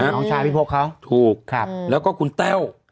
น้องชายพี่พบเขาถูกแล้วก็คุณแต้ว